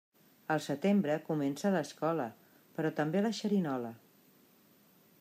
Al setembre comença l'escola, però també la xerinola.